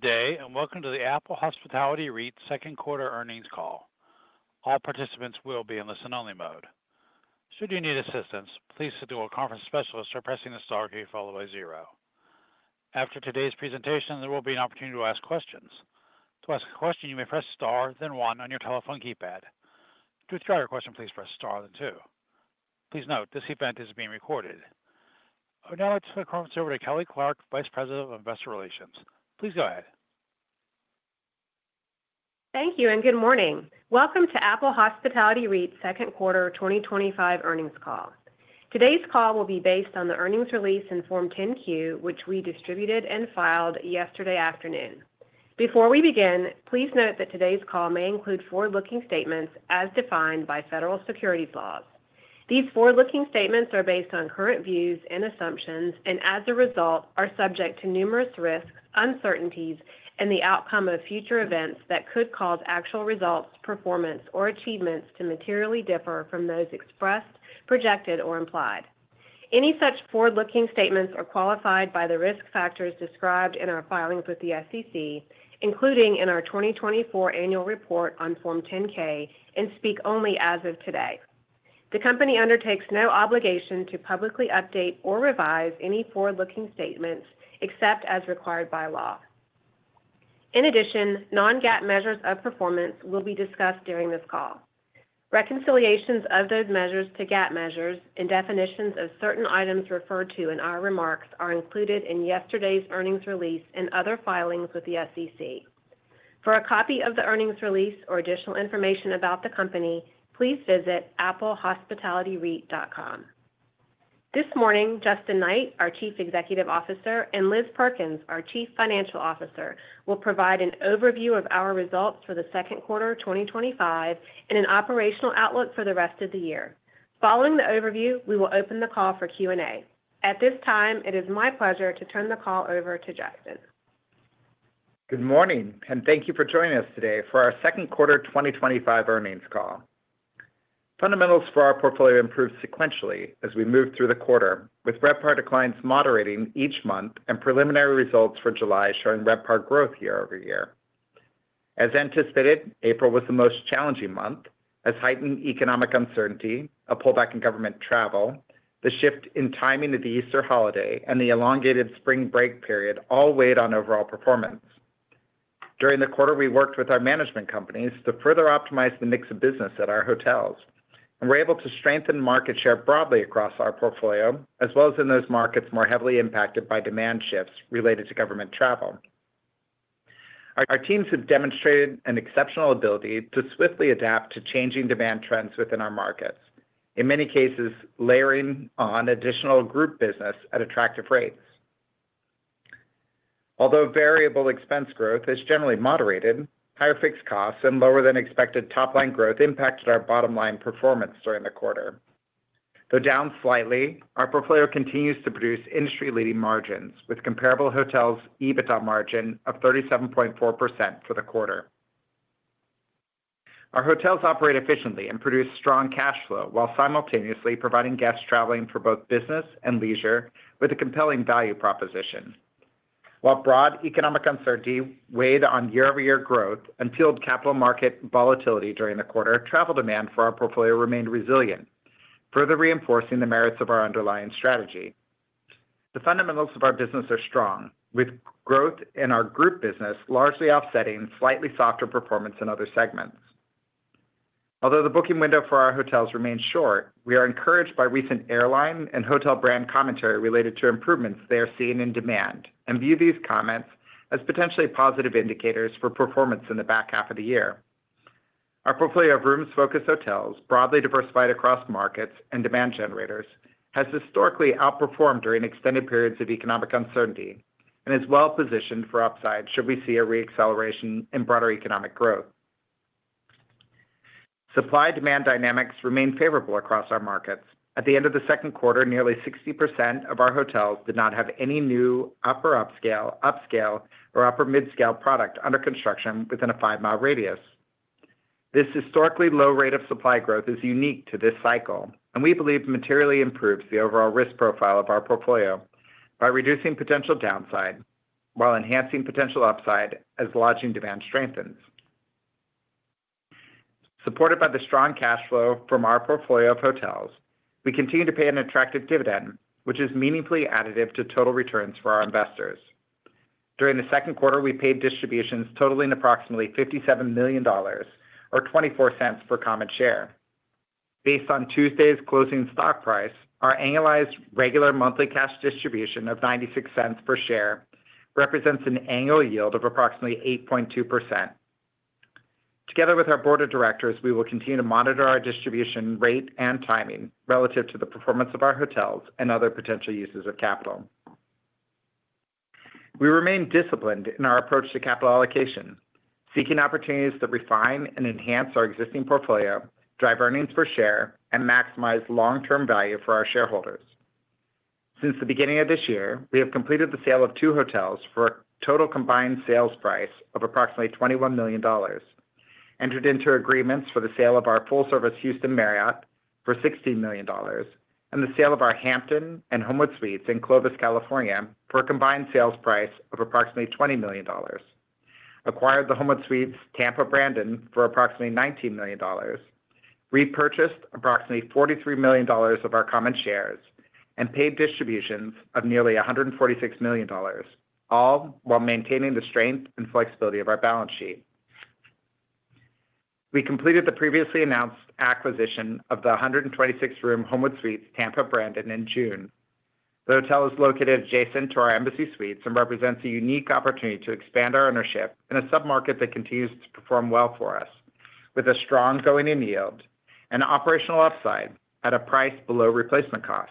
Good day and welcome to the Apple Hospitality REIT Second Quarter Earnings Call. All participants will be in listen-only mode. Should you need assistance, please signal to a conference specialist by pressing the star. Key followed by zero. After today's presentation, there will be an opportunity to ask questions. To ask a question, you may press star then one on your telephone keypad. To withdraw your question, please press star then two. Please note this event is being recorded. Now let's turn the conference over to. Kelly Clarke, Vice President of Investor Relations. Please go ahead. Thank you and good morning. Welcome to Apple Hospitality REIT Second Quarter 2025 Earnings Call. Today's call will be based on the earnings release and Form 10-Q which we distributed and filed yesterday afternoon. Before we begin, please note that today's call may include forward-looking statements as defined by federal securities laws. These forward-looking statements are based on current views and assumptions and as a result are subject to numerous risks, uncertainties, and the outcome of future events that could cause actual results, performance, or achievements to materially differ from those expressed, projected, or implied. Any such forward-looking statements are qualified by the risk factors described in our filings with the SEC, including in our 2024 Annual Report on Form 10-K, and speak only as of today. The company undertakes no obligation to publicly update or revise any forward-looking statements except as required by law. In addition, non-GAAP measures of performance will be discussed during this call. Reconciliations of those measures to GAAP measures and definitions of certain items referred to in our remarks are included in yesterday's earnings release and other filings with the SEC. For a copy of the earnings release or additional information about the company, please visit applehospitalityreit.com. This morning, Justin Knight, our Chief Executive Officer, and Liz Perkins, our Chief Financial Officer, will provide an overview of our results for the second quarter 2025 and an operational outlook for the rest of the year. Following the overview, we will open the. Call for Q&A. At this time, it is my pleasure to turn the call over to Justin. Good morning and thank you for joining us today. For our Second Quarter 2025 Earnings Call, fundamentals for our portfolio improved sequentially as we move through the quarter with RevPAR declines moderating each month and preliminary results for July showing RevPAR growth year over year. As anticipated, April was the most challenging month as heightened economic uncertainty, a pullback in government travel, the shift in timing of the Easter holiday, and the elongated spring break period all weighed on overall performance during the quarter. We worked with our management companies to further optimize the mix of business at our hotels and were able to strengthen market share broadly across our portfolio as well as in those markets more heavily impacted by demand shifts related to government travel. Our teams have demonstrated an exceptional ability to swiftly adapt to changing demand trends within our markets, in many cases layering on additional group business at attractive rates. Although variable expense growth is generally moderated, higher fixed costs and lower than expected top line growth impacted our bottom line performance during the quarter. Though down slightly, our portfolio continues to produce industry leading margins with comparable hotels EBITDA margin of 37.4% for the quarter. Our hotels operate efficiently and produce strong cash flow while simultaneously providing guests traveling for both business and leisure with a compelling value proposition. While broad economic uncertainty weighed on year-over-year growth and capital market volatility during the quarter, travel demand for our portfolio remained resilient, further reinforcing the merits of our underlying strategy. The fundamentals of our business are strong with growth in our group business largely offsetting slightly softer performance in other segments. Although the booking window for our hotels remains short, we are encouraged by recent airline and hotel brand commentary related to improvements they are seeing in demand and view these comments as potentially positive indicators for performance in the back half of the year. Our portfolio of rooms-focused hotels, broadly diversified across markets and demand generators, has historically outperformed during extended periods of economic uncertainty and is well positioned for upside should we see a reacceleration in broader economic growth. Supply demand dynamics remain favorable across our markets. At the end of the second quarter, nearly 60% of our hotels did not have any new upper upscale, upscale or upper midscale product under construction within a five mile radius. This historically low rate of supply growth is unique to this cycle, and we believe materially improves the overall risk profile of our portfolio by reducing potential downside while enhancing potential upside as lodging demand strengthens. Supported by the strong cash flow from our portfolio of hotels, we continue to pay an attractive dividend, which is meaningfully additive to total returns for our investors. During the second quarter, we paid distributions totaling approximately $57 million, or $0.24 per common share, based on Tuesday's closing stock price. Our annualized regular monthly cash distribution of $0.96 per share represents an annual yield of approximately 8.2%. Together with our Board of Directors, we will continue to monitor our distribution rate and timing relative to the performance of our hotels and other potential uses of capital. We remain disciplined in our approach to capital allocation, seeking opportunities to refine and enhance our existing portfolio, drive earnings per share, and maximize long term value for our shareholders. Since the beginning of this year, we have completed the sale of two hotels for a total combined sales price of approximately $21 million, entered into agreements for the sale of our full service Houston Marriott for $16 million and the sale of our Hampton and Homewood Suites in Clovis, California for a combined sales price of approximately $20 million, acquired the Homewood Suites Tampa Brandon for approximately $19 million, repurchased approximately $43 million of our common shares, and paid distributions of nearly $146 million, all while maintaining the strength and flexibility of our balance sheet. We completed the previously announced acquisition of the 126 room Homewood Suites Tampa Brandon in June. The hotel is located adjacent to our Embassy Suites and represents a unique opportunity to expand our ownership in a submarket that continues to perform well for us, with a strong going in yield and operational upside at a price below replacement cost.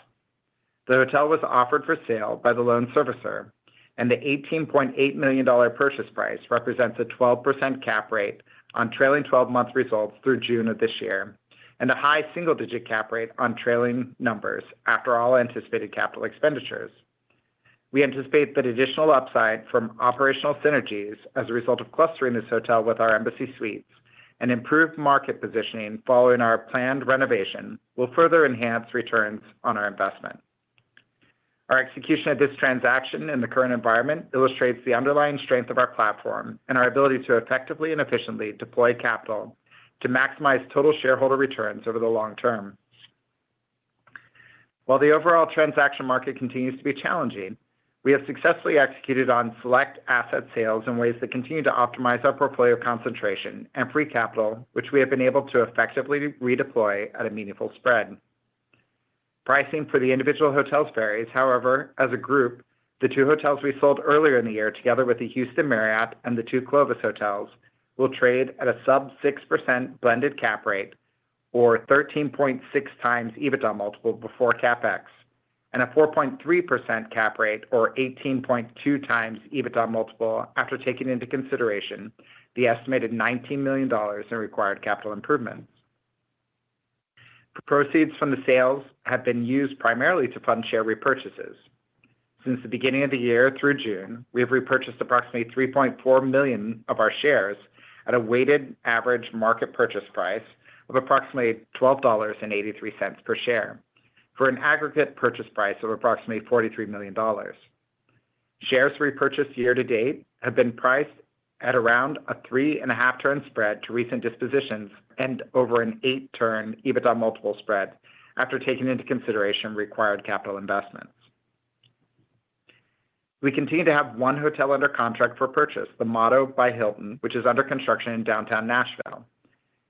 The hotel was offered for sale by the loan servicer, and the $18.8 million purchase price represents a 12% cap rate on trailing twelve month results through June of this year and a high single digit cap rate on trailing numbers after all anticipated capital expenditures. We anticipate that additional upside from operational synergies as a result of clustering this hotel with our Embassy Suites and improved market positioning following our planned renovation will further enhance returns on our investment. Our execution of this transaction in the current environment illustrates the underlying strength of our platform and our ability to effectively and efficiently deploy capital to maximize total shareholder returns over the long term. While the overall transaction market continues to be challenging, we have successfully executed on select asset sales in ways that continue to optimize our portfolio concentration and free capital which we have been able to effectively redeploy at a meaningful spread. Pricing for the individual hotels varies, however. As a group, the two hotels we sold earlier in the year together with the Houston Marriott and the two Clovis hotels will trade at a sub 6% blended cap rate or 13.6x EBITDA multiple before CapEx and a 4.3% cap rate or 18.2z EBITDA multiple after taking into consideration the estimated $19 million in required capital improvements. Proceeds from the sales have been used primarily to fund share repurchases. Since the beginning of the year through June, we have repurchased approximately 3.4 million of our shares at a weighted average market purchase price of approximately $12.83 per share for an aggregate purchase price of approximately $43 million. Shares repurchased year to date have been priced at around a three and a half turn spread to recent dispositions and over an 8 turn EBITDA multiple spread after taking into consideration required capital investments. We continue to have one hotel under contract for purchase, the Motto by Hilton Nashville, which is under construction in downtown Nashville.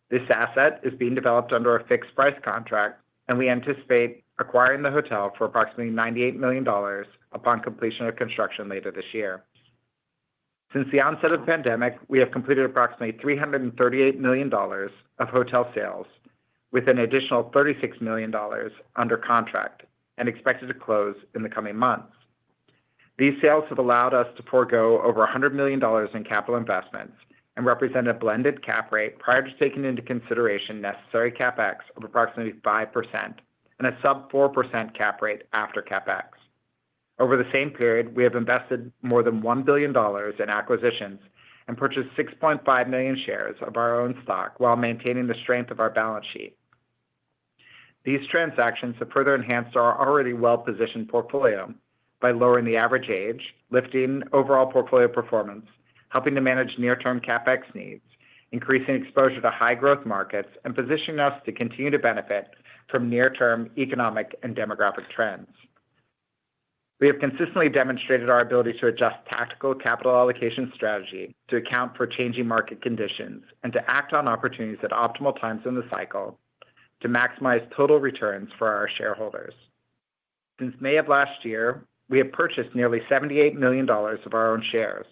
This asset is being developed under a fixed price contract and we anticipate acquiring the hotel for approximately $98 million upon completion of construction later this year. Since the onset of the pandemic, we have completed approximately $338 million of hotel sales with an additional $36 million under contract and expected to close in the coming months. These sales have allowed us to forego over $100 million in capital investments and represent a blended cap rate prior to taking into consideration necessary CapEx of approximately 5% and a sub 4% cap rate after CapEx. Over the same period, we have invested more than $1 billion in acquisitions and purchased 6.5 million shares of our own stock while maintaining the strength of our balance sheet. These transactions have further enhanced our already well-positioned portfolio by lowering the average age, lifting overall portfolio performance, helping to manage near-term CapEx needs, increasing exposure to high-growth markets, and positioning us to continue to benefit from near-term economic and demographic trends. We have consistently demonstrated our ability to adjust tactical capital allocation strategy to account for changing market conditions and to act on opportunities at optimal times in the cycle to maximize total returns for our shareholders. Since May of last year, we have purchased nearly $78 million of our own shares.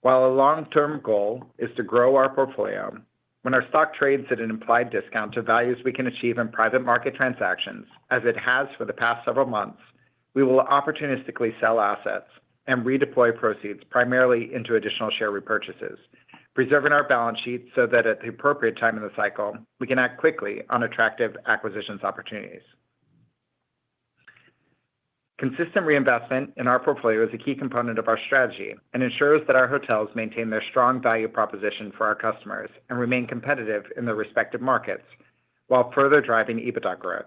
While a long-term goal is to grow our portfolio, when our stock trades at an implied discount to values we can achieve in private market transactions, as it has for the past several months, we will opportunistically sell assets and redeploy proceeds primarily into additional share repurchases, preserving our balance sheet so that at the appropriate time in the cycle we can act quickly on attractive acquisition opportunities. Consistent reinvestment in our portfolio is a key component of our strategy and ensures that our hotels maintain their strong value proposition for our customers and remain competitive in their respective markets while further driving EBITDA growth.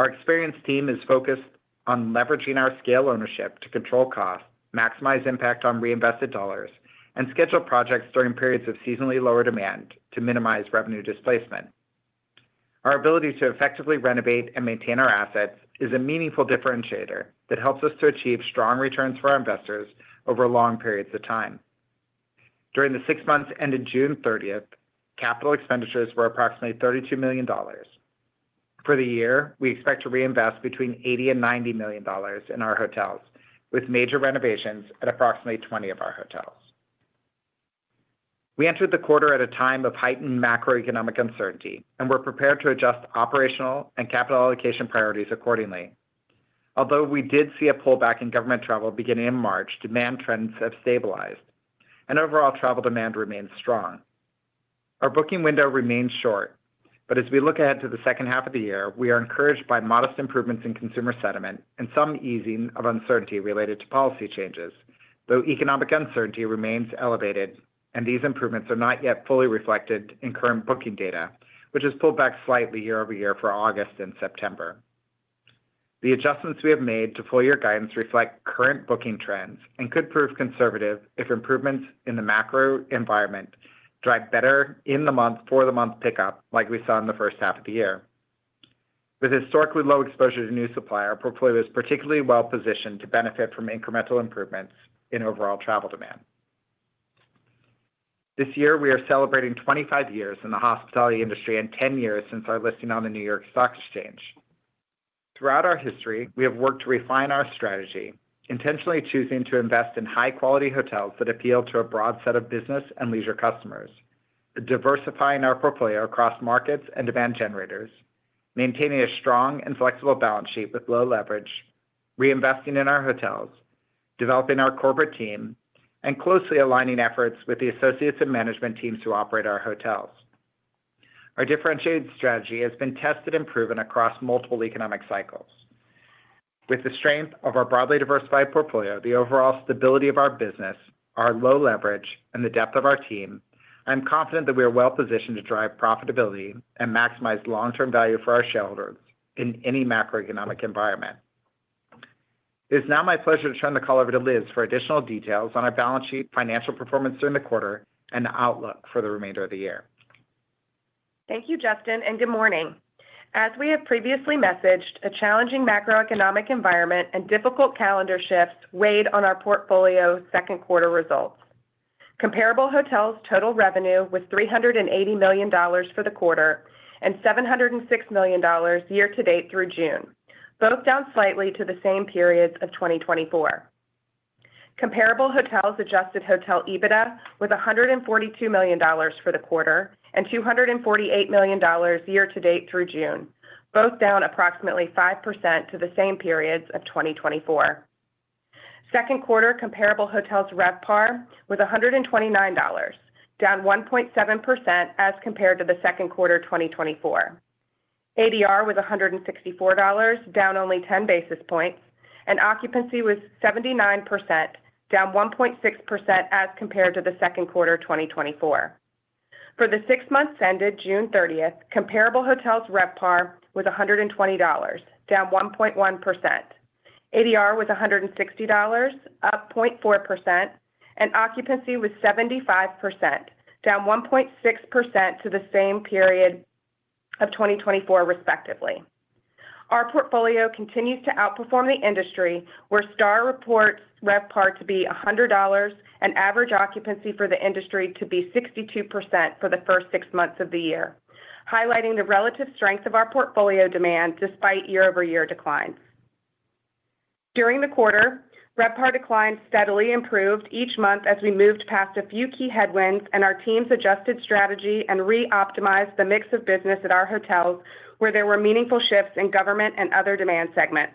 Our experienced team is focused on leveraging our scale ownership to control costs, maximize impact on reinvested dollars, and schedule projects during periods of seasonally lower demand to minimize revenue displacement. Our ability to effectively renovate and maintain our assets is a meaningful differentiator that helps us to achieve strong returns for our investors over long periods of time. During the six months ended June 30, capital expenditures were approximately $32 million. For the year, we expect to reinvest between $80 million and $90 million in our hotels, with major renovations at approximately 20 of our hotels. We entered the quarter at a time of heightened macroeconomic uncertainty and were prepared to adjust operational and capital allocation priorities accordingly. Although we did see a pullback in government travel beginning in March, demand trends have stabilized and overall travel demand remains strong. Our booking window remains short, but as we look ahead to the second half of the year, we are encouraged by modest improvements in consumer sentiment and some easing of uncertainty related to policy changes, though economic uncertainty remains elevated and these improvements are not yet fully reflected in current booking data, which has pulled back slightly year over year for August and September. The adjustments we have made to full year guidance reflect current booking trends and could prove conservative if improvements in the macro environment drive better in the month for the month pickup like we saw in the first half of the year. With historically low exposure to new supply, our portfolio is particularly well positioned to benefit from incremental improvements in overall travel demand. This year we are celebrating 25 years in the hospitality industry and 10 years since our listing on the New York Stock Exchange. Throughout our history we have worked to refine our strategy, intentionally choosing to invest in high quality hotels that appeal to a broad set of business and leisure customers, diversifying our portfolio across markets and demand generators, maintaining a strong and flexible balance sheet with low leverage, reinvesting in our hotels, developing our corporate team and closely aligning efforts with the associates and management teams who operate our hotels. Our differentiated strategy has been tested and proven across multiple economic cycles. With the strength of our broadly diversified portfolio, the overall stability of our business, our low leverage and the depth of our team, I'm confident that we are well positioned to drive profitability and maximize long term value for our shareholders in any macroeconomic environment. It is now my pleasure to turn the call over to Liz for additional details on our balance sheet, financial performance during the quarter and outlook for the remainder of the year. Thank you Justin and good morning. As we have previously messaged, a challenging macroeconomic environment and difficult calendar shifts weighed on our portfolio. Second quarter results comparable hotels total revenue was $380 million for the quarter and $706 million year-to-date through June, both down slightly to the same periods of 2024. Comparable hotels adjusted hotel EBITDA was $142 million for the quarter and $248 million year-to-date through June, both down approximately 5% to the same periods of 2024. Second quarter comparable hotels RevPAR was $129, down 1.7% as compared to the second quarter. 2024 ADR was $164, down only 10 basis points, and occupancy was 79%, down 1.6% as compared to the second quarter 2024. For the six months ended June 30, comparable hotels RevPAR was $120, down 1.1%, ADR was $160, up 0.4%, and occupancy was 75%, down 1.6% to the same period of 2024 respectively. Our portfolio continues to outperform the industry where STR reports RevPAR to be $100 and average occupancy for the industry to be 62% for the first six months of the year, highlighting the relative strength of our portfolio demand. Despite year-over-year declines during the quarter, RevPAR decline steadily improved each month as we moved past a few key headwinds and our teams adjusted strategy and re-optimized the mix of business at our hotels where there were meaningful shifts in government and other demand segments,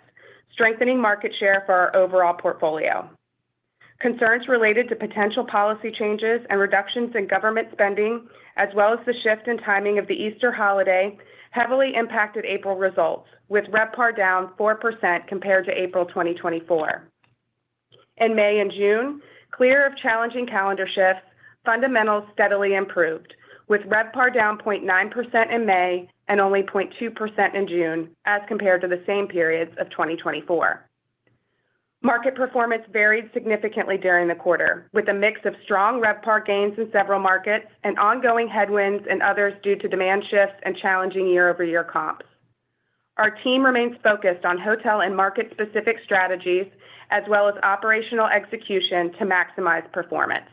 strengthening market share for our overall portfolio. Concerns related to potential policy changes and reductions in government spending as well as the shift in timing of the Easter holiday heavily impacted April results with RevPAR down 4% compared to April 2024. In May and June, clear of challenging calendar shifts, fundamentals steadily improved with RevPAR down 0.9% in May and only 0.2% in June as compared to the same periods of 2024. Market performance varied significantly during the quarter with a mix of strong RevPAR gains in several markets and ongoing headwinds in others due to demand shifts and challenging year-over-year comps. Our team remains focused on hotel and market specific strategies as well as operational execution to maximize performance.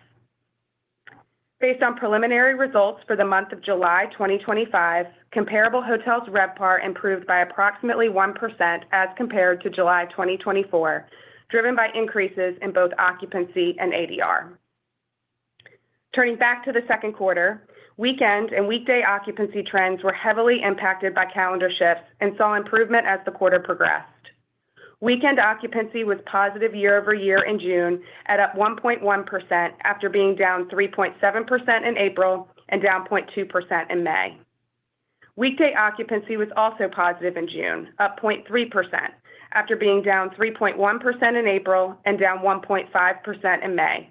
Based on preliminary results for the month of July 2025, comparable hotels RevPAR improved by approximately 1% as compared to July 2024, driven by increases in both occupancy and ADR. Turning back to the second quarter, weekend and weekday occupancy trends were heavily impacted by calendar shifts and saw improvement as the quarter progressed. Weekend occupancy was positive year-over-year in June at up 1.1% after being down 3.7% in April and down 0.2% in May. Weekday occupancy was also positive in June up 0.3% after being down 3.1% in April and down 1.5% in May.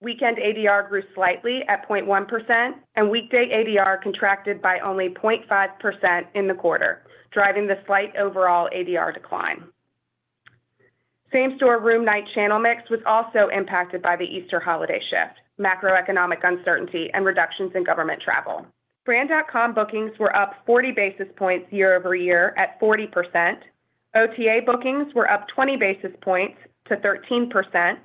Weekend ADR grew slightly at 0.1% and weekday ADR contracted by only 0.5% in the quarter, driving the slight overall ADR decline. Same store room night channel mix was also impacted by the Easter holiday shift, macroeconomic uncertainty, and reductions in government travel. Brand.com bookings were up 40 basis points year-over-year at 40%. OTA bookings were up 20 basis points to 13%,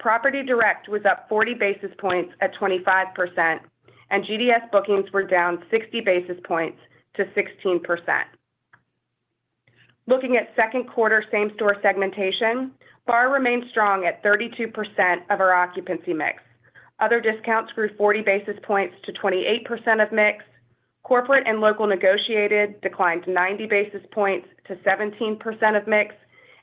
property direct was up 40 basis points at 25%, and GDS bookings were down 60 basis points to 16%. Looking at second quarter same store segmentation, BAR remained strong at 32% of our occupancy mix. Other discounts grew 40 basis points to 28% of mix. Corporate and local negotiated declined 90 basis points to 17% of mix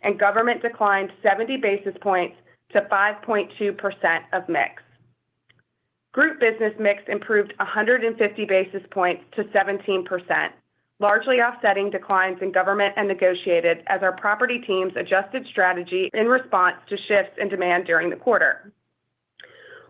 and government declined 70 basis points to 5.2% of mix. Group business mix improved 150 basis points to 17%, largely offsetting declines in government and negotiated as our property teams adjusted strategy in response to shifts in demand during the quarter.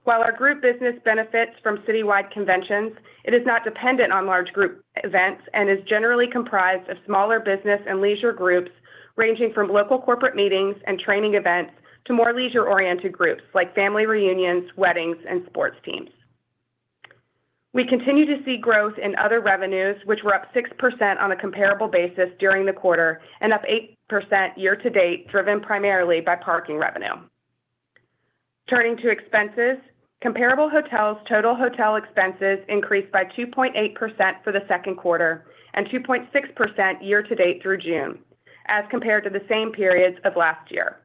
While our group business benefits from citywide conventions, it is not dependent on large group events and is generally comprised of smaller business and leisure groups ranging from local corporate meetings and training events to more leisure-oriented groups like family reunions, weddings, and sports teams. We continue to see growth in other revenues, which were up 6% on a comparable basis during the quarter and up 8% year to date, driven primarily by parking revenue. Turning to expenses, comparable hotels total hotel expenses increased by 2.8% for the second quarter and 2.6% year to date through June as compared to the same periods of last year,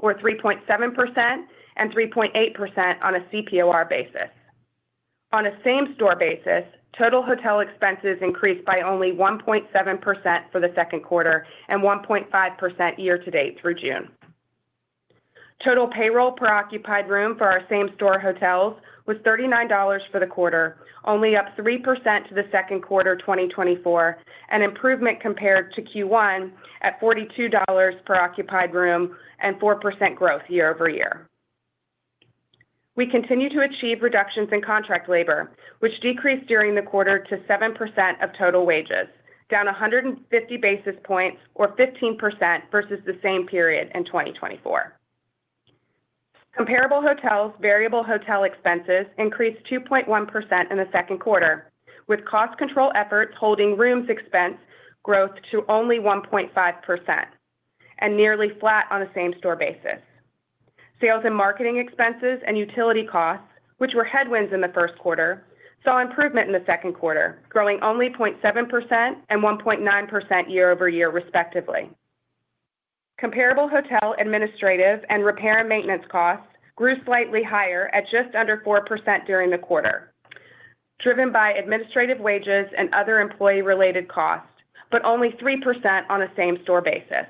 or 3.7% and 3.8% on a CPOR basis. On a same store basis, total hotel expenses increased by only 1.7% for the second quarter and 1.5% year-to-date through June. Total payroll per occupied room for our same store hotels was $39 for the quarter only, up 3% to the second quarter 2024, an improvement compared to Q1 at $42 per occupied room and 4%. Growth year-over-year. We continue to achieve reductions in contract labor, which decreased during the quarter to 7% of total wages, down 150 basis points or 15% versus the same period in 2024. Comparable hotels' variable hotel expenses increased 2.1% in the second quarter, with cost control efforts holding rooms expense quarter growth to only 1.5% and nearly flat on a same-store basis. Sales and marketing expenses and utility costs, which were headwinds in the first quarter, saw improvement in the second quarter, growing only 0.7% and 1.9% year-over-year, respectively. Comparable hotel administrative and repair and maintenance costs grew slightly higher at just under 4% during the quarter, driven by administrative wages and other employee-related costs, but only 3% on a same-store basis,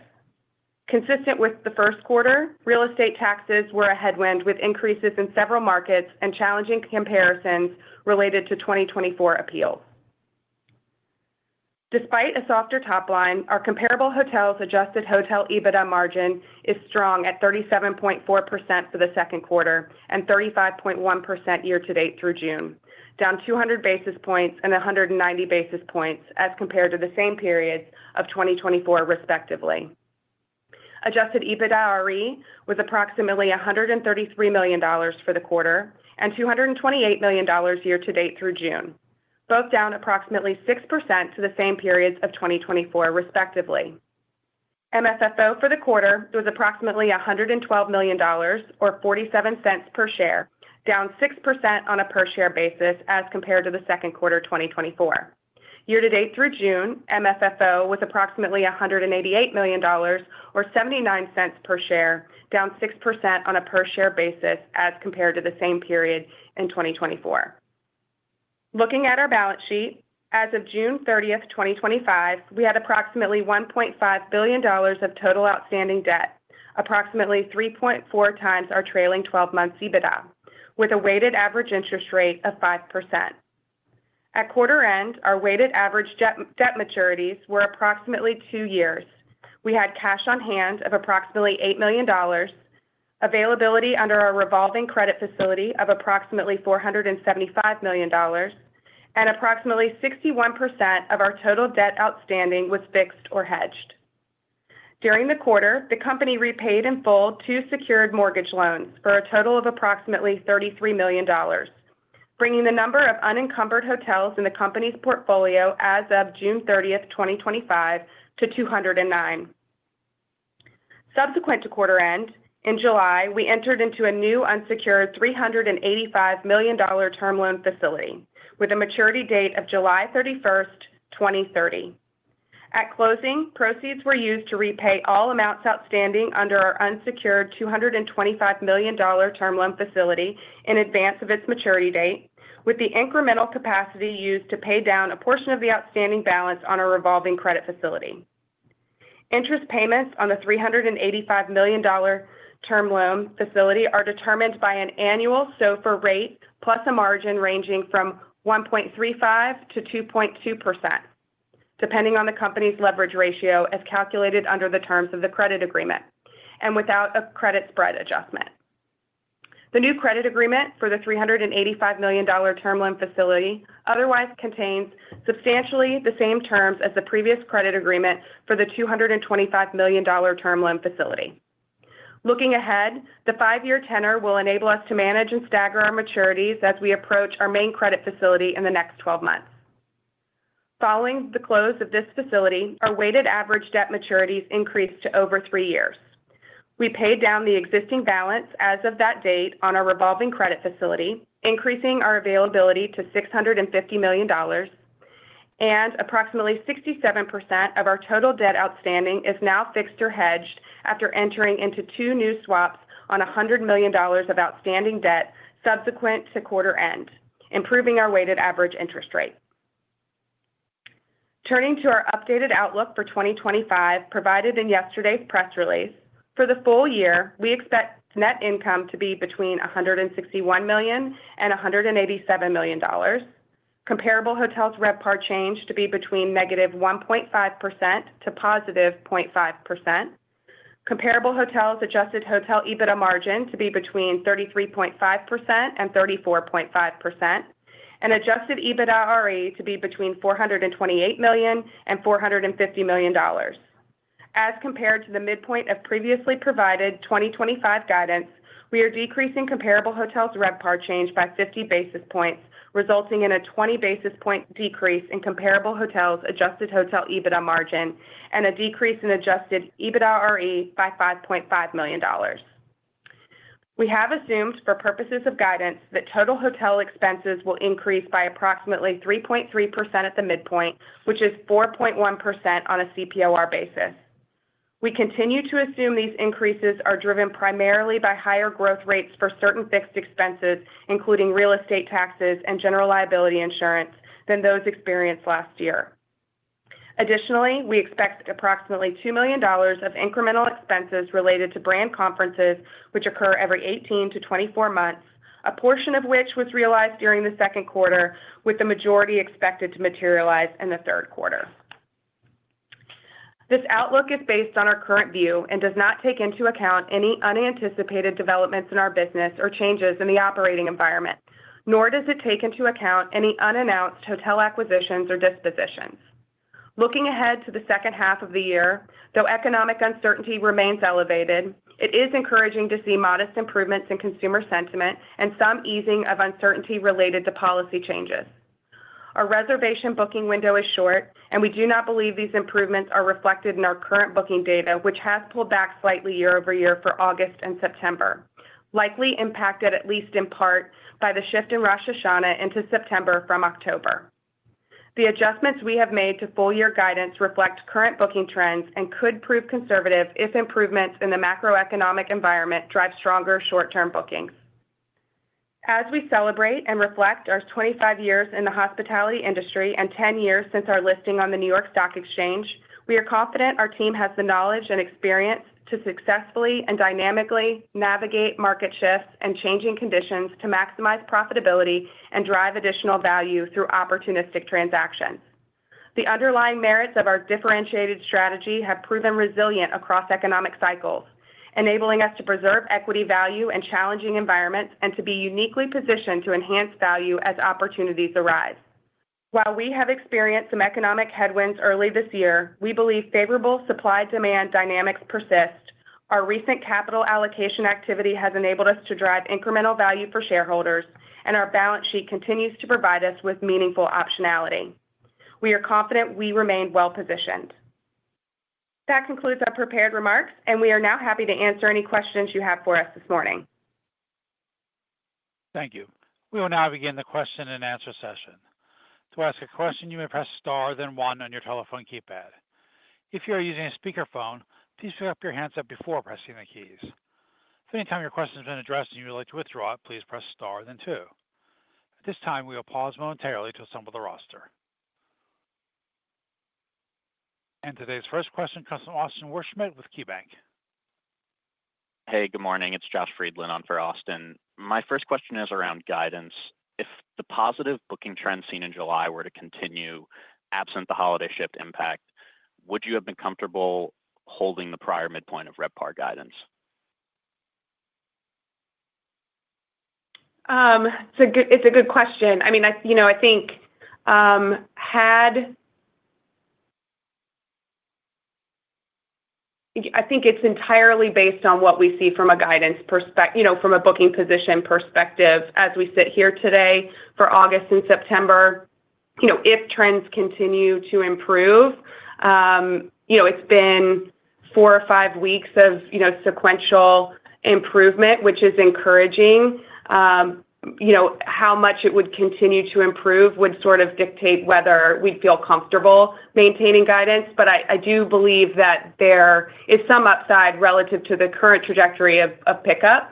consistent with the first quarter. Real estate taxes were a headwind with increases in several markets and challenging comparisons related to 2024 appeals. Despite a softer top line, our comparable hotels' adjusted hotel EBITDA margin is strong at 37.4% for the second quarter and 35.1% year-to-date through June, down 200 basis points and 190 basis points as compared to the same periods of 2024, respectively. Adjusted EBITDAre was approximately $133 million for the quarter and $228 million year to date through June, both down approximately 6% to the same periods of 2024, respectively. MFFO for the quarter was approximately $112 million or $0.47 per share, down 6% on a per share basis as compared to the second quarter 2024. Year-to-date through June, MFFO was approximately $188 million or $0.79 per share, down 6% on a per share basis as compared to the same period in 2024. Looking at our balance sheet as of June 30, 2025, we had approximately $1.5 billion of total outstanding debt, approximately 3.4x our trailing twelve months EBITDA, with a weighted average interest rate of 5% at quarter end. Our weighted average debt maturities were approximately two years. We had cash on hand of approximately $8 million, availability under our revolving credit facility of approximately $475 million, and approximately 61% of our total debt outstanding was fixed or hedged during the quarter. The company repaid in full two secured mortgage loans for a total of approximately $33 million, bringing the number of unencumbered hotels in the company's portfolio as of June 30, 2025 to 209. Subsequent to quarter end, in July, we entered into a new unsecured $385 million term loan facility with a maturity date of July 31, 2030 at closing. Proceeds were used to repay all amounts. Outstanding under our unsecured $225 million term loan facility. Loan facility in advance of its maturity. Date, with the incremental capacity used to pay down a portion of the outstanding balance on our revolving credit facility. Interest payments on the $385 million term loan facility are determined by an annual SOFR rate plus a margin ranging from 1.35%-2.2% depending on the company's leverage ratio as calculated under the terms of the credit agreement and without a credit spread adjustment. The new credit agreement for the $385 million term loan facility otherwise contains substantially the same terms as the previous credit agreement for the $225 million term loan facility. Looking ahead, the five year tenor will enable us to manage and stagger our maturities as we approach our main credit facility in the next 12 months. Following the close of this facility, our weighted average debt maturities increased to over three years. We paid down the existing balance as of that date on our revolving credit facility, increasing our availability to $650 million and approximately 67% of our total debt outstanding is now fixed or hedged after entering into two new swaps on $100 million of outstanding debt subsequent to quarter end, improving our weighted average interest rate. Turning to our updated outlook for 2025 provided in yesterday's press release, for the full year we expect net income to be between $161 million and $187 million. Comparable Hotels RevPAR change to be between -1.5% to +0.5%, Comparable Hotels Adjusted Hotel EBITDA margin to be between 33.5% and 34.5%, and adjusted EBITDAre to be between $428 million and $450 million. As compared to the midpoint of previously provided 2025 guidance, we are decreasing Comparable Hotels RevPAR change by 50 basis points, resulting in a 20 basis point decrease in Comparable Hotels Adjusted Hotel EBITDA margin and a decrease in adjusted EBITDAre by $5.5 million. We have assumed for purposes of guidance that total hotel expenses will increase by approximately 3.3% at the midpoint, which is 4.1% on a CPOR basis. We continue to assume these increases are driven primarily by higher growth rates for certain fixed expenses, including real estate taxes and general liability insurance, than those experienced last year. Additionally, we expect approximately $2 million of incremental expenses related to brand conferences which occur every 18 to 24 months, a portion of which was realized during the second quarter with the majority expected to materialize in the third quarter. This outlook is based on our current view and does not take into account any unanticipated developments in our business or changes in the operating environment, nor does it take into account any unannounced hotel acquisitions or dispositions. Looking ahead to the second half of the year, though economic uncertainty remains elevated, it is encouraging to see modest improvements in consumer sentiment and some easing of uncertainty related to policy changes. Our reservation booking window is short and we do not believe these improvements are reflected in our current booking data, which. Has pulled back slightly year-over year. For August and September, likely impacted at least in part by the shift in Rosh Hashanah into September from October. The adjustments we have made to full. Year guidance reflect current booking trends and could prove conservative if improvements in the macroeconomic environment drive stronger short term bookings. As we celebrate and reflect our 25 years in the hospitality industry and 10 years since our listing on the New York Stock Exchange, we are confident our team has the knowledge and experience to successfully and dynamically navigate market shifts and changing conditions to maximize profitability and drive additional value through opportunistic transactions. The underlying merits of our differentiated strategy have proven resilient across economic cycles, enabling us to preserve equity value in challenging environments and to be uniquely positioned to enhance value as opportunities arise. While we have experienced some economic headwinds early this year, we believe favorable supply demand dynamics persist. Our recent capital allocation activity has enabled us to drive incremental value for shareholders, and our balance sheet continues to provide us with meaningful optionality. We are confident we remain well positioned. That concludes our prepared remarks and we are now happy to answer any questions you have for us this morning. Thank you. We will now begin the question and answer session. To ask a question, you may press star then one on your telephone keypad. If you are using a speakerphone, please keep your handset before pressing the keys. If at any time your question has been addressed, you may remove yourself from the queue. You would like to withdraw it. Please press star then two. At this time, we will pause momentarily. To assemble the roster. Today's first question comes from Austin Wurschmidt with KeyBanc Capital Markets. Hey, good morning, it's Josh Friedland on for Austin. My first question is around guidance. If the positive booking trend seen in July were to continue absent the holiday shift impact, would you have been comfortable holding the prior midpoint of RevPAR guidance? It's a good question. I think had. I think it's entirely based on what we see from a guidance perspective. From a booking position perspective as we sit here today for August and September, if trends continue to improve, it's been four or five weeks of sequential improvement, which is encouraging. How much it would continue to improve would sort of dictate whether we'd feel comfortable maintaining guidance. I do believe that there is some upside relative to the current trajectory of pickup.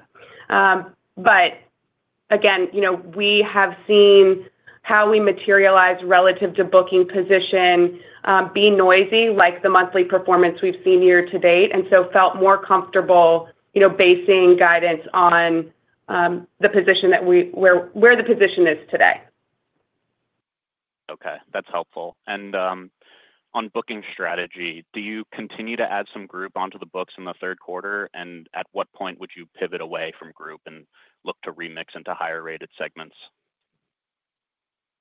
Again, we have seen how we materialize relative to booking position. It can be noisy like the monthly performance we've seen year to date and so felt more comfortable basing guidance on the position that we are, where the position is today. Okay, that's helpful. On booking strategy, do you continue to add some group onto the books in the third quarter, and at what point would you pivot away from group and look to remix into higher rated segments?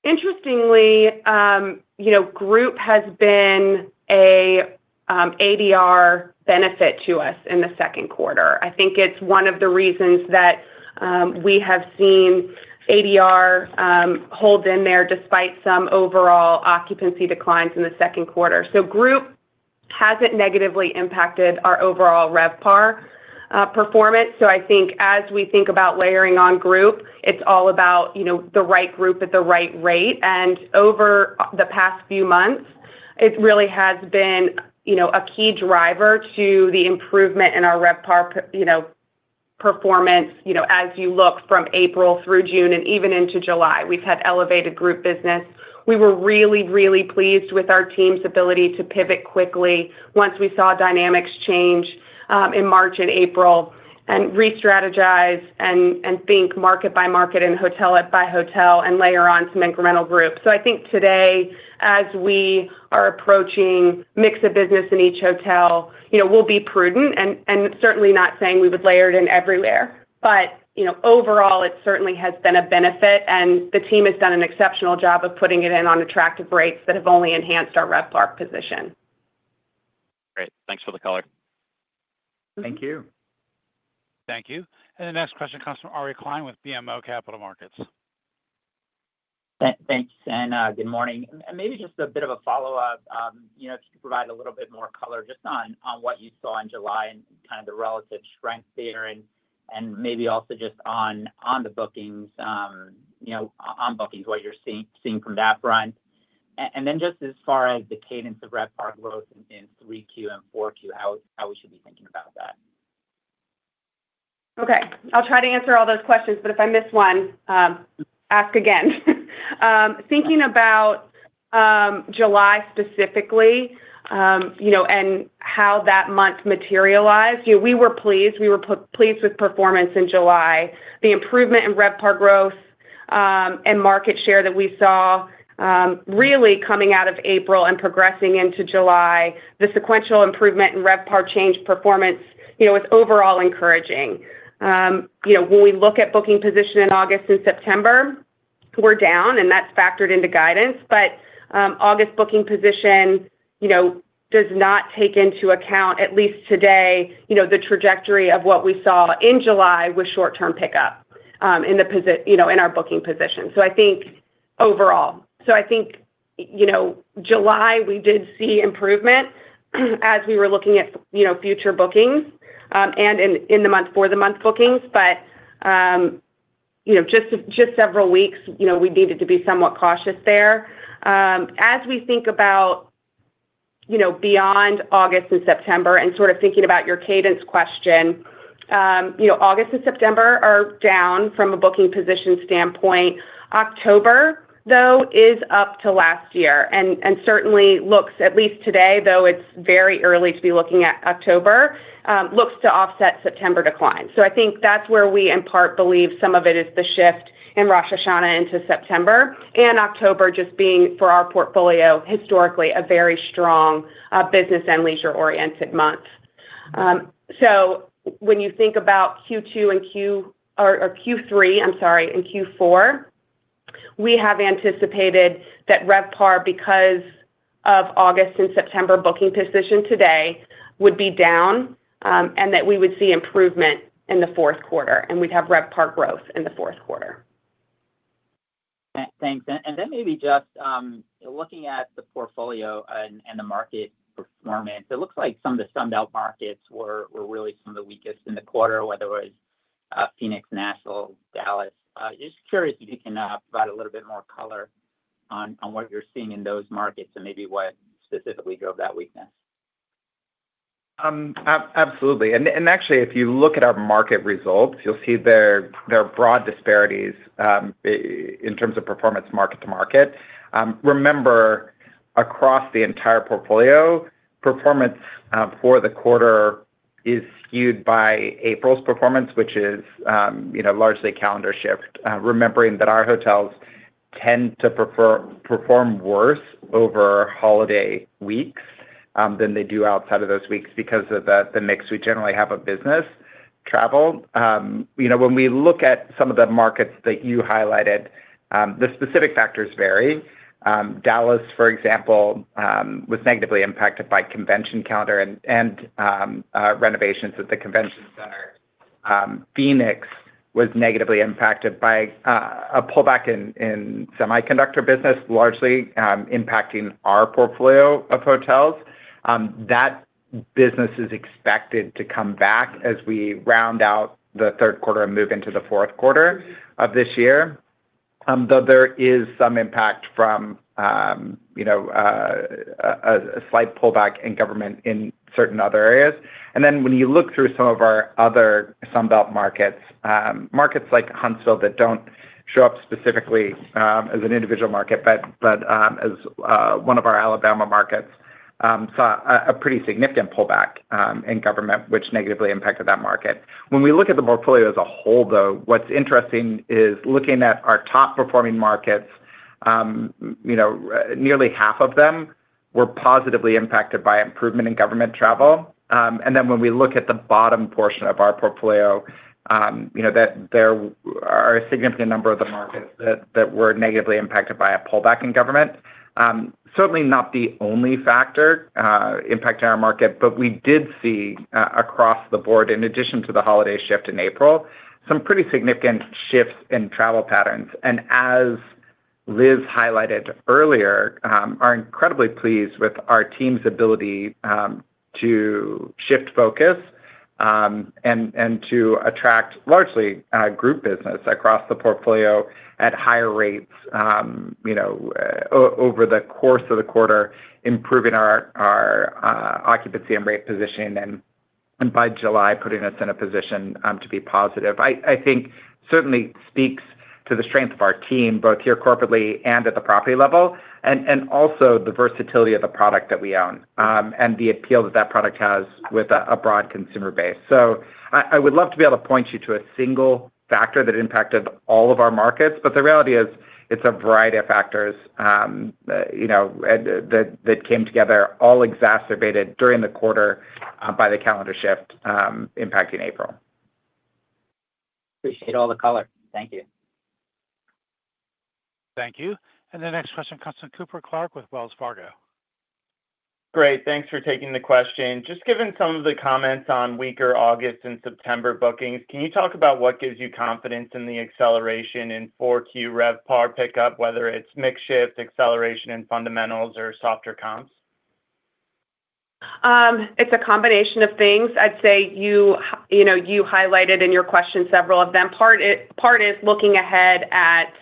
Interestingly, you know, group has been a. ADR benefit to us in the second quarter. I think it's one of the reasons that we have seen ADR hold in there despite some overall occupancy declines in the second quarter. Group hasn't negatively impacted our overall RevPAR performance. I think as we think about. Layering on group, it's all about the right group at the right rate. Over the past few months, it. Really has been a key driver to the improvement in our RevPAR performance. As you look from April through June and even into July, we've had elevated group business. We were really, really pleased with our team's ability to pivot quickly once we. Saw dynamics change in March and April. We restrategize and think market by market and hotel by hotel and layer on some incremental group. I think today as we are approaching mix of business in each hotel, we'll be prudent and certainly not saying we would layer it in. Everywhere, overall it certainly. Has been a benefit, and the team has done an exceptional job of putting it in on attractive rates that have only enhanced our RevPAR position. Great. Thanks for the color. Thank you. Thank you. The next question comes from Ari Klein with BMO Capital Markets. Thanks and good morning. Maybe just a bit of a follow up, you know, just provide a little bit more color just on what you saw in July and kind of the relative strength there, and maybe also just on the bookings, you know, on bookings, what you're seeing from that front. Just as far as the cadence of RevPAR growth in 3Q and 4Q, how we should be thinking about that. Okay, I'll try to answer all those. Questions, but if I miss one, ask again. Thinking about July specifically, you know, and how that month materialized, we were pleased, we were pleased with performance in July. The improvement in RevPAR growth and market share that we saw really coming out of April and progressing into July, the sequential improvement in RevPAR change performance is overall encouraging. You know, when we look at booking. Position in August and September were down. That is factored into guidance. August booking position, you know, does not take into account at least today, you know, the trajectory of what we. Saw in July with short-term pickup. In our booking position, I think overall, I think July we did see improvement as we were looking at future bookings in the month. For the month bookings. Just several weeks, we needed to be somewhat cautious there as we think about beyond August and September and sort of thinking about your cadence question. August and September are down from. a booking position standpoint, October though is up to last year and certainly looks, at least today though it's very early to be looking at, October looks to offset September decline. I think that's where we end. Part believe some of it is. The shift in Rosh Hashanah into September and October just being for our portfolio historically a very strong business and leisure oriented month. When you think about Q2 and Q or Q3, I'm sorry, and Q4, we have anticipated that RevPAR because of August and September booking position today would be down and that we would see improvement in the fourth quarter and we'd have RevPAR growth in the fourth quarter. Thanks. Maybe just looking at the portfolio and the market performance, it looks like some of the stumbled markets were really some of the weakest in the quarter. Whether it was Phoenix, Nashville, Dallas, just curious if you can provide a little bit more color on what you're seeing in those markets and maybe what specifically drove that weakness. Absolutely. If you look at our market results, you'll see there are broad disparities in terms of performance, market to market. Remember, across the entire portfolio, performance for the quarter is skewed by April's performance, which is largely calendar shift. Remembering that our hotels tend to perform worse over holiday weeks than they do outside of those weeks because of the mix. We generally have a business travel. When we look at some of the markets that you highlighted, the specific factors vary. Dallas, for example, was negatively impacted by convention calendar and renovations at the convention center. Phoenix was negatively impacted by a pullback in semiconductor business, largely impacting our portfolio of hotels. That business is expected to come back as we round out the third quarter and move into the fourth quarter of this year, though there is some impact from a slight pullback in government in certain other areas. When you look through some of our other Sunbelt markets, markets like Huntsville that don't show up specifically as an individual market, but as one of our Alabama markets, saw a pretty significant pullback in government, which negatively impacted that market. When we look at the portfolio as a whole, what's interesting is looking at our top performing markets, nearly half of them were positively impacted by improvement in government travel. When we look at the bottom portion of our portfolio, there are a significant number of the market that were negatively impacted by a pullback in government, certainly not the only factor impacting our market. We did see across the board, in addition to the holiday shift in April, some pretty significant shifts in travel patterns. As Liz highlighted earlier, we are incredibly pleased with our team's ability to shift focus and to attract largely group business across the portfolio at higher rates. Over the course of the quarter, improving our occupancy and rate position and by July, putting us in a position to be positive, I think certainly speaks to the strength of our team both here corporately and at the property level and also the versatility of the product that we own and the appeal that that product has with a broad consumer base. I would love to be able to point you to a single factor that impacted all of our markets, but the reality is it's a variety of factors that came together, all exacerbated during the quarter by the calendar shift impacting April. Appreciate all the color. Thank you. Thank you. The next question comes from Cooper. Clark with Wells Fargo. Great. Thanks for taking the question. Just given some of the comments on weaker August and September bookings, can you talk about what gives you confidence in the acceleration in 4Q RevPAR pickup, whether it's mix shift, acceleration in fundamentals, or. Softer comps. It's a combination of things. I'd say you highlighted in your question several of them. Part is looking ahead at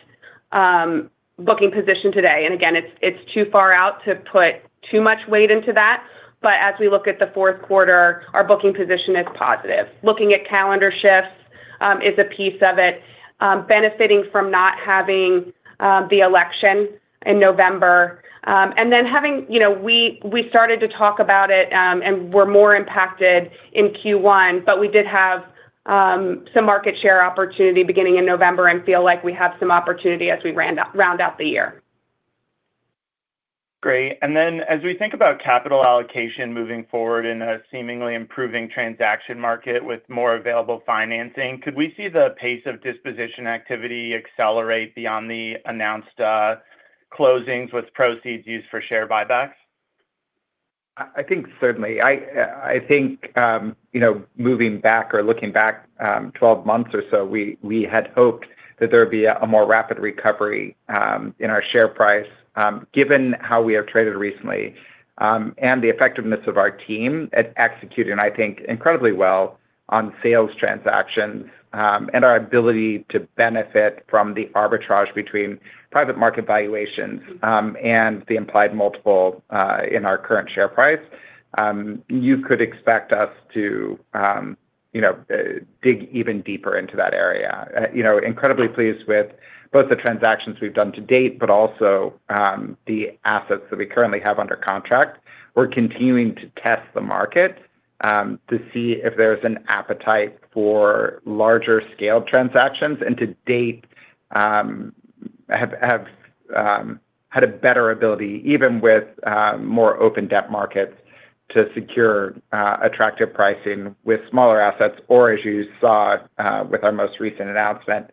booking position today and again, it's too far out to put too much weight into that. As we look at the fourth. Quarter, our booking position is positive. Looking at calendar shifts is a piece of it, benefiting from not having the election in November and then having, you know, we started to talk about it and we're more impacted in Q1. We did have some market share. Opportunity beginning in November and feel like. We have some opportunity as we round. Round out the year. Great. As we think about capital allocation moving forward in a seemingly improving transaction market with more available financing, could we see the pace of disposition activity accelerate beyond the announced closings with proceeds used for share buybacks? I think certainly, looking back 12 months or so, we had hoped that there would be a more rapid recovery in our share price. Given how we have traded recently and the effectiveness of our team at executing, I think, incredibly well on sales transactions and our ability to benefit from the arbitrage between private market valuations and the implied multiple in our current share price, you could expect us to dig even deeper into that area. I am incredibly pleased with both the transactions we've done to date, but also the assets that we currently have under contract. We're continuing to test the market to see if there is an appetite for larger scale transactions and to date have had a better ability, even with more open debt markets, to secure attractive pricing with smaller assets. As you saw with our most recent announcement,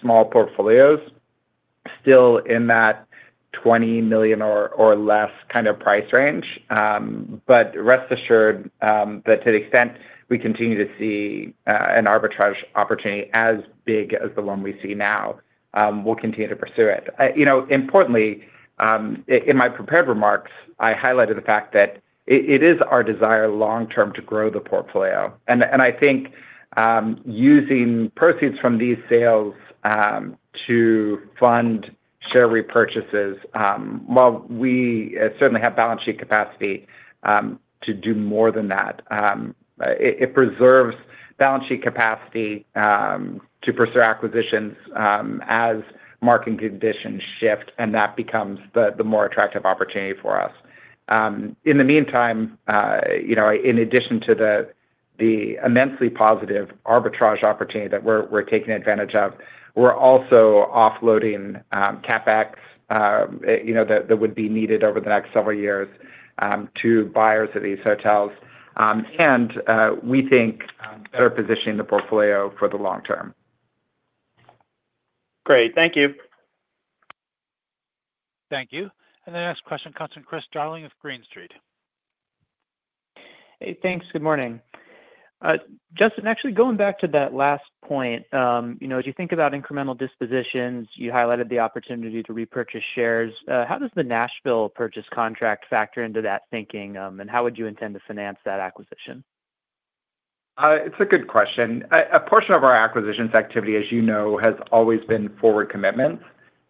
small portfolios still in that $20 million or less kind of price range. Rest assured that to the extent we continue to see an arbitrage opportunity as big as the one we see now, we'll continue to pursue it. Importantly, in my prepared remarks, I highlighted the fact that it is our desire long term to grow the portfolio and I think using proceeds from these sales to fund share repurchases, while we certainly have balance sheet capacity to do more than that, it preserves balance sheet capacity to pursue acquisitions as market conditions shift. That becomes the more attractive opportunity for us. In the meantime, in addition to the immensely positive arbitrage opportunity that we're taking advantage of, we're also offloading CapEx that would be needed over the next several years to buyers of these hotels and we think better positioning the portfolio for the long term. Great, thank you. Thank you. The next question comes from Chris Darling of Green Street. Hey, thanks. Good morning, Justin. Going back to that last point, as you think about incremental dispositions, you highlighted the opportunity to repurchase shares. How does the Nashville purchase contract factor into that thinking? How would you intend to finance that acquisition? It's a good question. A portion of our acquisitions activity, as you know, has always been forward commitments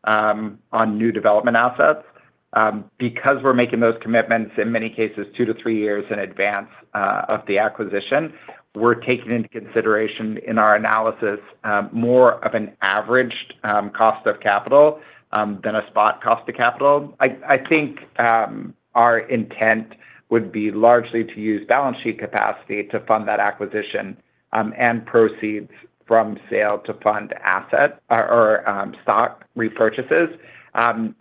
on new development assets. Because we're making those commitments in many cases two to three years in advance of the acquisition, we're taking into consideration in our analysis more of an average cost of capital than a spot cost of capital. I think our intent would be largely to use balance sheet capacity to fund that acquisition and proceeds from sale to fund asset or stock repurchases.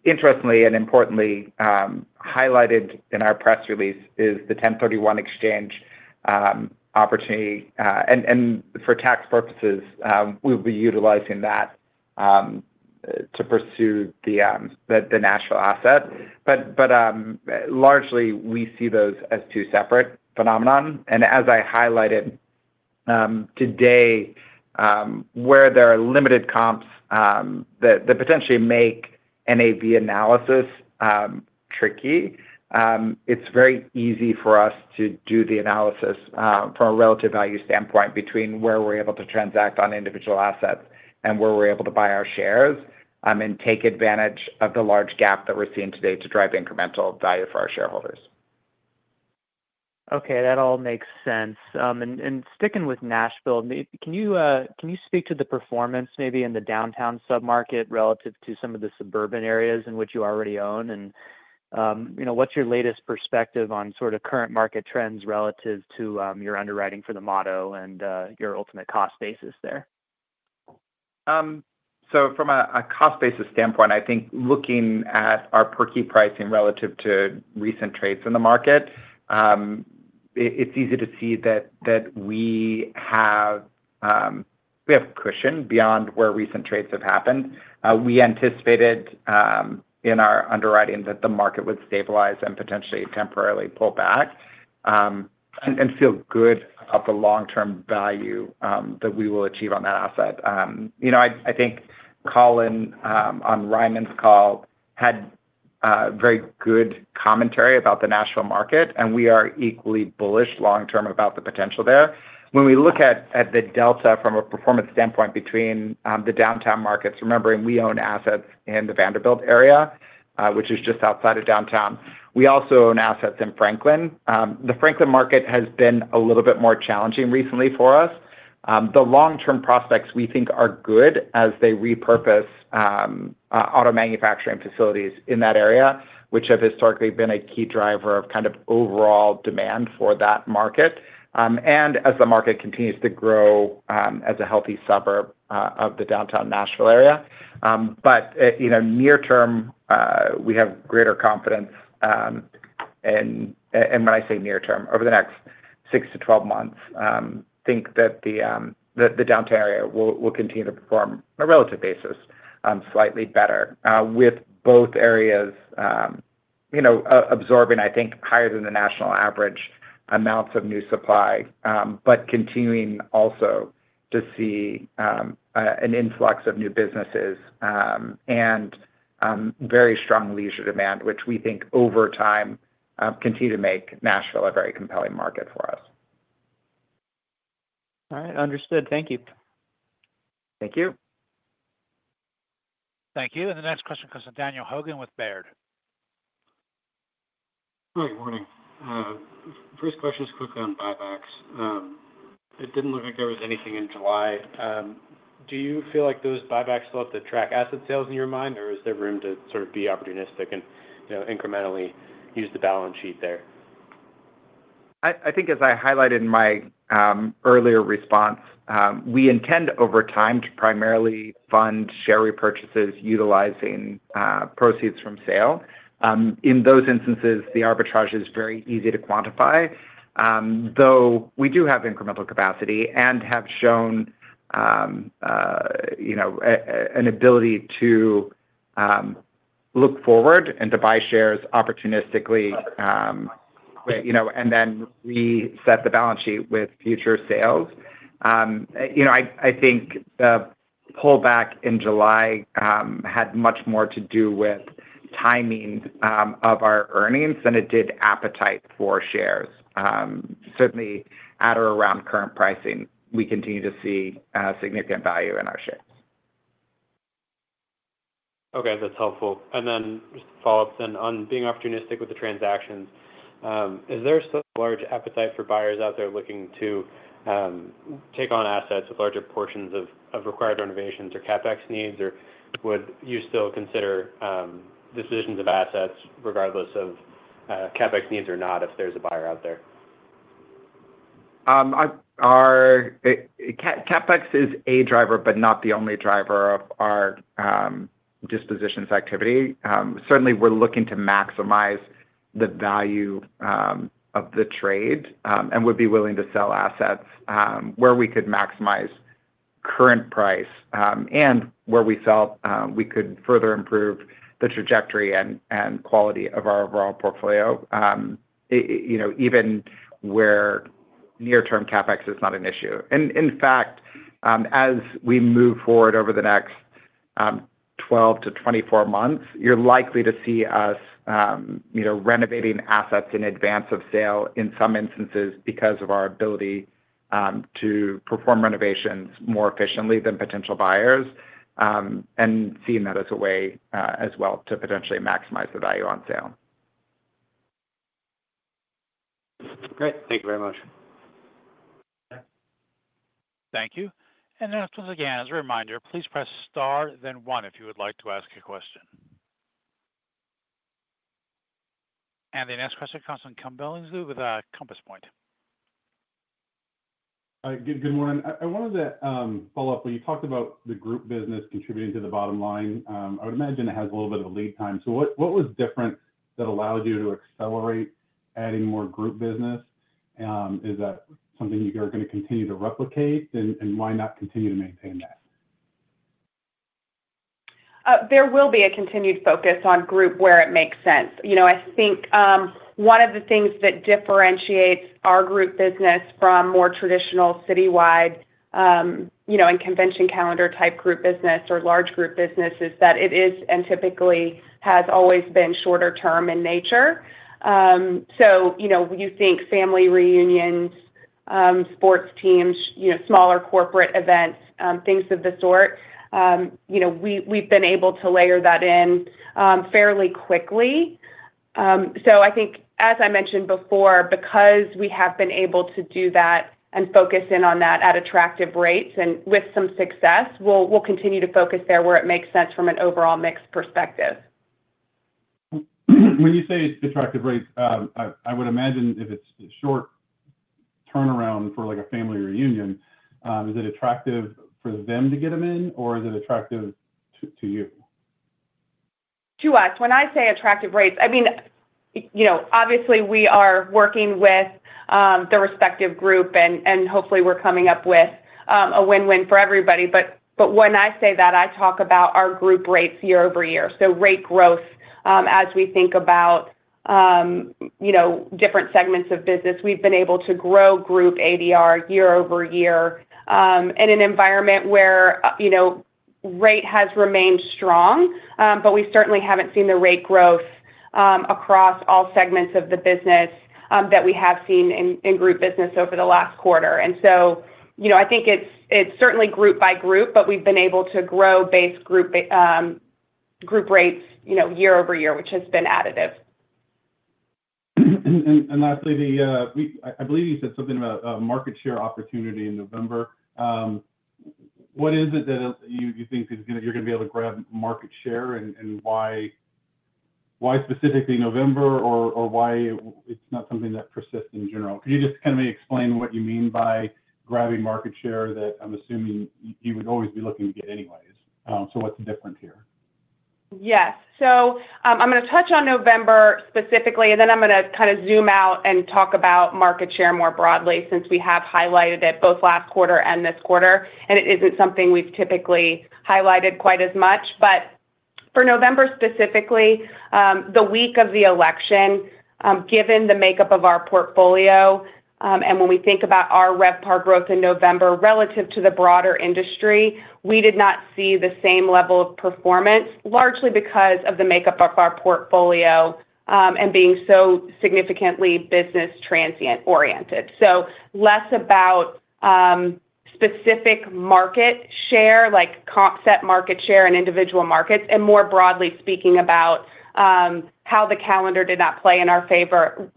Interestingly and importantly, highlighted in our press release is the 1031 exchange opportunity. For tax purposes, we will be utilizing that to pursue the natural asset. Largely we see those as two separate phenomena and as I highlighted today, where there are limited comps that potentially make NAV analysis tricky, it's very easy for us to do the analysis from a relative value standpoint between where we're able to transact on individual assets and where we're able to buy our shares and take advantage of the large gap that we're seeing today to drive incremental value for our shareholders. Okay, that all makes sense. Sticking with Nashville, can you speak to the performance maybe in the downtown submarket relative to some of the suburban areas in which you already own? What's your latest perspective on sort of current market trends relative to your underwriting for the Motto and your ultimate cost basis? From a cost basis standpoint, I think looking at our per key pricing relative to recent trades in the market, it's easy to see that we have cushion beyond where recent trades have happened. We anticipated in our underwriting that the market would stabilize and potentially temporarily pull back and feel good about the long term value that we will achieve on that asset. I think Colin, on Ryman's call, had very good commentary about the national market, and we are equally bullish long term about the potential there. When we look at the delta from a performance standpoint between the downtown markets, remembering we own assets in the Vanderbilt area, which is just outside of downtown, we also own assets in Franklin. The Franklin market has been a little bit more challenging recently for us. The long term prospects, we think, are good as they repurpose auto manufacturing facilities in that area, which have historically been a key driver of overall demand for that market, and as the market continues to grow as a healthy suburb of the downtown Nashville area. Near term, we have greater confidence, and when I say near term, over the next six to twelve months, think that the downtown area will continue to perform on a relative basis slightly better, with both areas absorbing, I think, higher than the national average amounts of new supply, but continuing also to see an influx of new businesses and very strong leisure demand, which we think over time continue to make Nashville a very compelling market for us. All right, understood. Thank you. Thank you. Thank you. The next question comes from Daniel Hogan with Baird. Hi, good morning. First question is quickly on buybacks. It didn't look like there was anything in July. Do you feel like those buybacks still have to track asset sales in your mind, or is there room to sort of be opportunistic and incrementally use the balance sheet there? I think, as I highlighted in my earlier response, we intend over time to primarily fund share repurchases utilizing proceeds from sale. In those instances, the arbitrage is very easy to quantify, though we do have incremental capacity and have shown an ability to look forward and to buy shares opportunistically, and then reset the balance sheet with future sales. I think the pullback in July had much more to do with timing of our earnings than it did appetite for shares. Certainly at or around current pricing, we continue to see significant value in our shares. Okay, that's helpful. Just to follow up on being opportunistic with the transactions, is there a large appetite for buyers out there looking to take on assets with larger portions of required renovations or CapEx needs? Would you still consider the positions of assets regardless of CapEx needs? If there's a buyer out there, CapEx is a driver, but not the only driver of our dispositions activity. Certainly, we're looking to maximize the value of the trade and would be willing to sell assets where we could maximize current price and where we felt we could further improve the trajectory and quality of our overall portfolio, even where near term CapEx is not an issue. In fact, as we move forward over the next 12 to 24 months, you're likely to see us renovating assets in advance of sale in some instances because of our ability to perform renovations more efficiently than potential buyers and seeing that as a way as well to potentially maximize the value on sale. Great, thank you very much. Thank you. Once again, as a reminder, please press Star then one if you would. Like to ask a question. The next question comes from Kenneth Billingsley with Compass Point. Good morning. I wanted to follow up when you talked about the group business contributing to the bottom line. I would imagine it has a little bit of a lead time. What was different that allows you to accelerate adding more group business? Is that something you're going to continue to replicate? Why not continue to maintain that? There will be a continued focus on group where it makes sense. I think one of the things that differentiates our group business from more traditional citywide and convention calendar type group business or large group business is that it is and typically has always been shorter term in nature. You think family reunions, sports teams, smaller corporate events, things of the sort. We've been able to layer that in fairly quickly. I think as I mentioned before, because we have been able to do that and focus in on that at attractive rates and with some success. We'll continue to focus there. It makes sense from an overall mix perspective. When you say attractive rates, I would imagine if it's short turnaround for like a family reunion, is it attractive for them to get them in, or is it attractive to you? To us? When I say attractive rates, I mean. Obviously we are working with the respective group and hopefully we're coming up with a win-win for everybody. When I say that, I talk about our group rates year-over-year. Rate growth, as we think about different segments of business, we've been able to grow group ADR year-over-year in an environment where rate has remained strong. We certainly haven't seen the rate growth across all segments of the business that we have seen in group business over the last quarter. I think it's certainly group by group, but we've been able to grow base group group rates year-over year, which has been additive. Lastly, I believe you said something about market share opportunity in November. What is it that you think you're going to be able to grab market share and why specifically November, or why not something that persists in general? Can you just kind of explain what you mean by grabbing market share? I'm assuming you would always be looking to get it anyways, so what's the difference here? Yes, I'm going to touch on November. Specifically, I'm going to kind. you zoom out and talk about market share more broadly, since we have highlighted it both last quarter and this quarter and it isn't something we've typically highlighted quite as much. For November specifically, the week of the election, given the makeup of our portfolio and when we think about our RevPAR growth in November relative to the broader industry, we did not see the same level of performance largely because of the makeup of our portfolio and being so significantly business transient oriented. It was less about specific market share like comp set market share in individual markets and more broadly speaking about how the calendar did not play in our favor,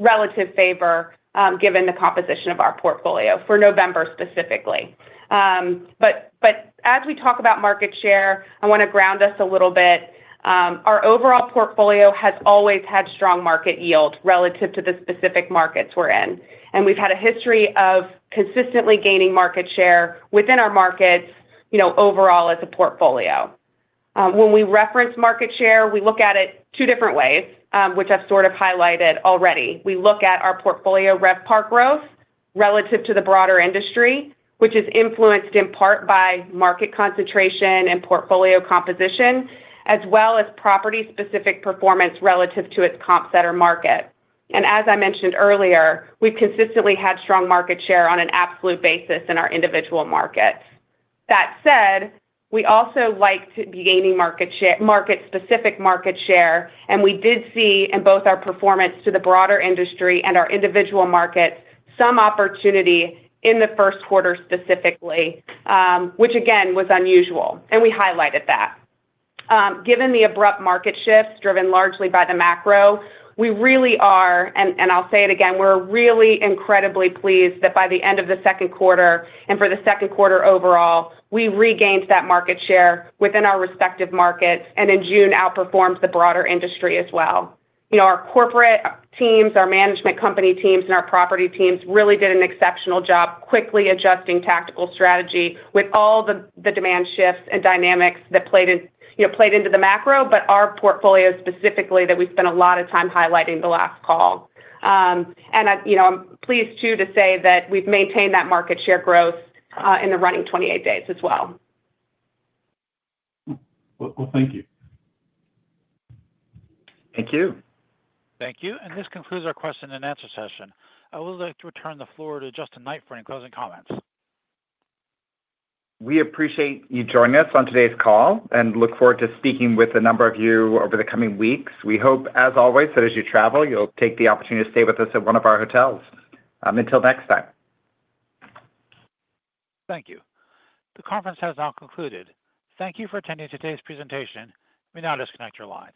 relative given the composition of our portfolio for November specifically. As we talk about market. I want to ground us a little bit. Our overall portfolio has always had strong market yield relative to the specific markets we're in, and we've had a history of consistently gaining market share within our markets. You know, overall as a portfolio, when. We reference market share, we look at it two different ways, which I've sort of highlighted already. We look at our portfolio RevPAR growth relative to the broader industry, which is influenced in part by market concentration and portfolio composition, as well as property-specific performance relative to its comp set or market. As I mentioned earlier, we've consistently had strong market share on an absolute basis in our individual markets. That said, we also like to be gaining specific market share, and we did see in both our performance to the broader industry and our individual markets some opportunity in the first quarter specifically, which again was unusual. We highlighted that given the abrupt market shifts driven largely by the macro, we really are, and I'll say it again, we're really incredibly pleased that by the end of the second quarter and for the second quarter overall, we regained that market share within our respective markets and in June outperformed the broader industry as well. You know, our corporate teams, our management company teams, and our property teams really did an exceptional job quickly adjusting tactical strategy with all the demand shifts and dynamics that played into the macro. Our portfolio specifically, that we spent a lot of time highlighting the last call. I'm pleased too to say that we've maintained that market share growth in the running 28 days as well. Thank you. Thank you. Thank you. This concludes our question and answer session. I would like to return the floor to Justin Knight for any closing comments. We appreciate you joining us on today's call and look forward to speaking with a number of you over the coming weeks. We hope, as always, that as you travel you'll take the opportunity to stay with us at one of our hotels. Until next time. Thank you. The conference has now concluded. Thank you for attending today's presentation. You may now disconnect your lines.